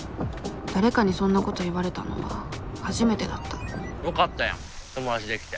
誰かにそんなこと言われたのは初めてだったよかったやん友達できて。